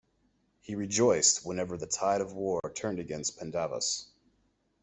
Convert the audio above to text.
He rejoiced whenever the tide of war turned against Pandavas.